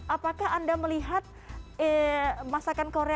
apakah anda melihat masakan korea